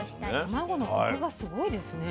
卵のコクがすごいですね。